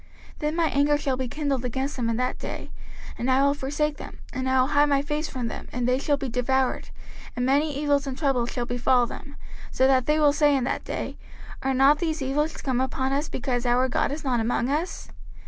05:031:017 Then my anger shall be kindled against them in that day, and I will forsake them, and I will hide my face from them, and they shall be devoured, and many evils and troubles shall befall them; so that they will say in that day, Are not these evils come upon us, because our God is not among us?